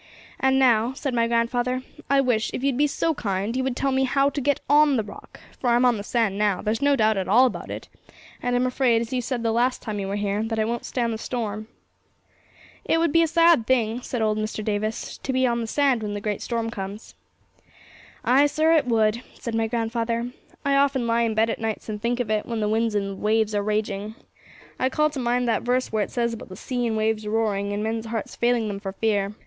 'And now,' said my grandfather, 'I wish, if you'd be so kind, you would tell me how to get on the Rock, for I'm on the sand now; there's no doubt at all about it, and I'm afraid, as you said the last time you were here, that it won't stand the storm.' 'It would be a sad thing,' said old Mr. Davis, 'to be on the sand when the great storm comes.' 'Ay, sir, it would, said my grandfather; 'I often lie in bed at nights and think of it, when the winds and the waves are raging. I call to mind that verse where it says about the sea and the waves roaring, and men's hearts failing them for fear.